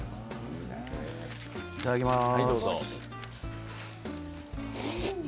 いただきます。